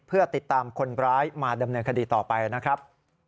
เพื่อติดตามคนร้ายมาดำเนินคดีต่อไปนะครับ